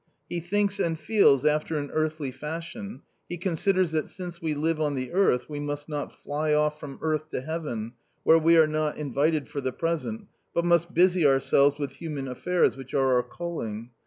He thinks and feels after an earthly fashion, he considers that since we live on the earth, we must not fly off from earth to heaven, where we are not in vited for the present, but must busy ourselves with human affairs which are our calling.